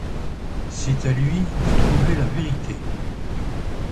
C’est à lui de trouver la vérité.